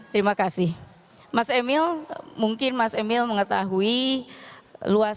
terima kasih mas emil mungkin mas emil mengetahui luas laut di jawa timur dan juga mas emil mengatakan